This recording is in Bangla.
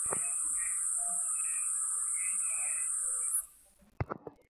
গোরা কহিল, কী রকমটা দাঁড়িয়েছে শুনি।